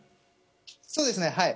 そうですね、はい。